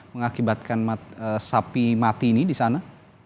mengakibatkan sapi mati ini di sana